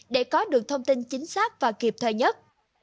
để có được thông tin chính xác và kịp thời nhất